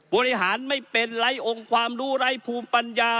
บริหารไม่เป็นไร้องค์ความรู้ไร้ภูมิปัญญา